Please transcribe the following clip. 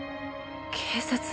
警察？